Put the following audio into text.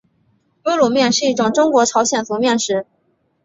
温卤面是一种中国朝鲜族面食。